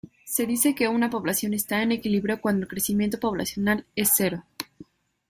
Se dice que una población está en equilibrio cuando el crecimiento poblacional es cero.